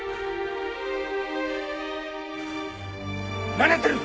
何やってる！